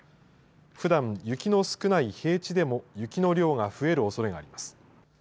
ふだん雪の少ない平地でも雪の量が増えるおそれがあります。